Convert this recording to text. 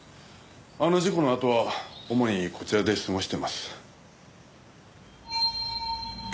あの事故のあとは主にこちらで過ごしてます。